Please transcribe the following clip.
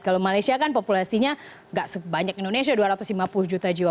kalau malaysia kan populasinya nggak sebanyak indonesia dua ratus lima puluh juta jiwa